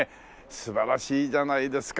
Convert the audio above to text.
素晴らしいじゃないですか